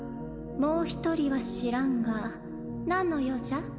もう一人は知らんが何の用じゃ？